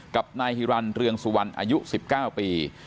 กับนายฮิรัณเรืองสุวรรค์อายุสิบเก้าปี